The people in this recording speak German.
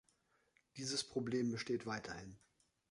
Dieses Problem besteht weiterhin.